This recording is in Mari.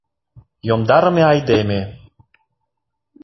Йомдарыме айдеме!